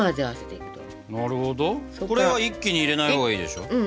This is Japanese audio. これは一気に入れない方がいいでしょ？